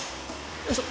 よいしょ。